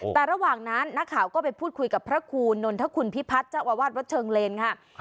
แต่ระหว่างนั้นนักข่าวก็ไปพูดคุยกับพระครูนนทคุณพิพัฒน์เจ้าอาวาสวัดเชิงเลนค่ะ